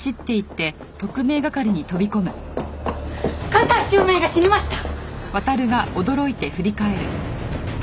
加西周明が死にました！